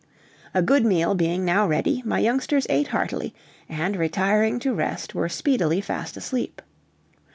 A good meal being now ready, my youngsters ate heartily, and retiring to rest were speedily fast asleep.